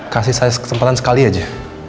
kasih saya kesempatan sekali aja